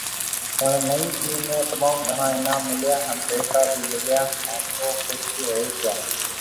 پڻ نئين ٽيم ني تموم گھڻا انعام مليا هان پئسا بِي مليا هان او خوش هوئي گيا